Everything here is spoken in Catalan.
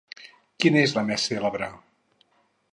Quina és la més cèlebre?